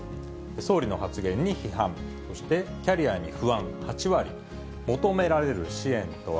総理の発言に批判、そして、キャリアに不安８割、求められる支援とは。